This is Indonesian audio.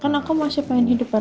kan aku masih pengen hidupan